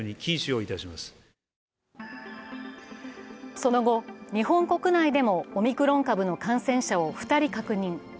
その後、日本国内でもオミクロン株の感染者を２人確認。